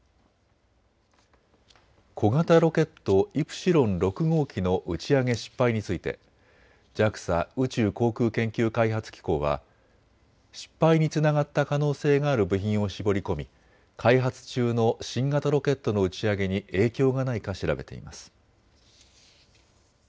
小型ロケット、イプシロン６号機の打ち上げ失敗についてＪＡＸＡ・宇宙航空研究開発機構は失敗につながった可能性がある部品を絞り込み、開発中の新型ロケットの打ち上げに影響がないか調べています。